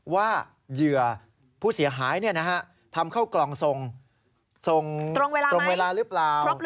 เหยื่อผู้เสียหายทำเข้ากล่องส่งตรงเวลาหรือเปล่า